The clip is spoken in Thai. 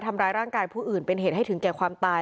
ทำร้ายร่างกายผู้อื่นเป็นเหตุให้ถึงแก่ความตาย